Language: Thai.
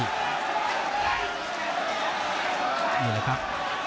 นี่แหละครับ